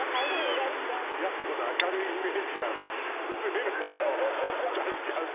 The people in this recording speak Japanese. やす子の明るいイメージが崩れるのよ出しちゃうと。